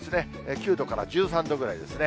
９度から１３度くらいですね。